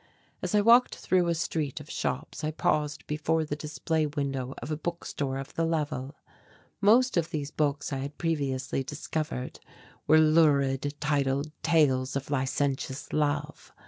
As I walked through a street of shops. I paused before the display window of a bookstore of the level. Most of these books I had previously discovered were lurid titled tales of licentious love.